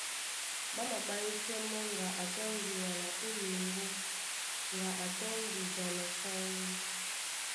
Ɓá maɓáísɛ́ mɔ́ ŋga a tɔ́ndi wala ó loŋgó ŋga a tɔ́ndi ja na sáŋgó.